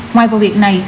ngoài vụ việc này